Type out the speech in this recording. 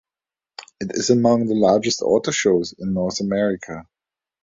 It is among the largest auto shows in North America.